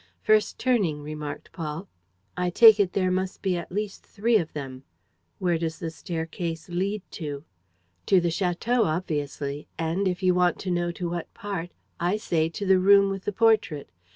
"First turning," remarked Paul. "I take it there must be at least three of them." "Where does the staircase lead to?" "To the château, obviously. And, if you want to know to what part, I say, to the room with the portrait.